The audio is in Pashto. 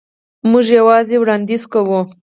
موږ یوازې وړاندیز کوو.